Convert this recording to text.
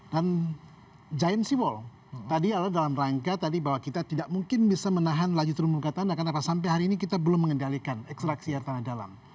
dan giant sea wall tadi adalah dalam rangka tadi bahwa kita tidak mungkin bisa menahan laju turun muka tanah karena sampai hari ini kita belum mengendalikan ekstraksi air tanah dalam